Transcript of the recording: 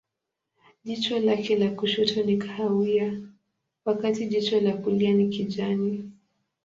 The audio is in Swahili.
Jicho lake la kushoto ni kahawia, wakati jicho la kulia ni kijani.